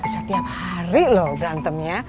setiap hari lho berantemnya